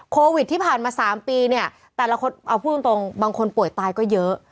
โควิดที่ผ่านมา๓ปีเนี่ยแต่ละคนเอาพูดตรงบางคนป่วยตายก็เยอะ